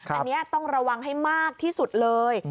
อันนี้ต้องระวังให้มากที่สุดเลย